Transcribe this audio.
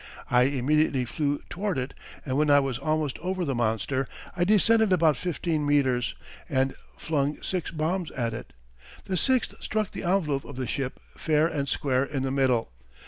I immediately flew toward it and when I was almost over the monster I descended about fifteen metres, and flung six bombs at it. The sixth struck the envelope of the ship fair and square in the middle.